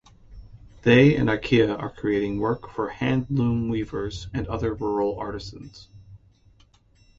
They and Ikea are creating work for hand loom weavers and other rural artisans.